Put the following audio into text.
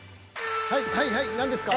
はいはい何ですか？